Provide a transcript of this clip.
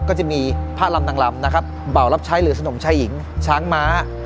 ก็จะมีพระลำนางลำนะครับเบารับใช้หรือสนมชายหญิงช้างม้า